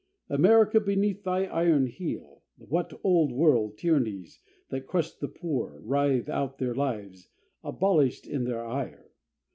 America, beneath thy iron heel What Old World tyrannies, that crushed the poor, Writhe out their lives, abolished in their ire!